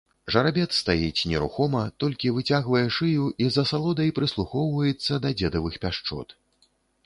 Жарабец стаіць нерухома, толькі выцягвае шыю і з асалодай прыслухоўваецца да дзедавых пяшчот.